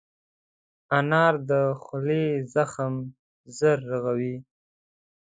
انار د خولې زخم ژر رغوي.